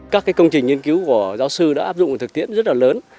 các công trình nghiên cứu của giáo sư đã áp dụng thực tiễn rất là lớn